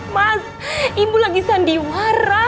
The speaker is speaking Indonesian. mas ibu lagi sandiwara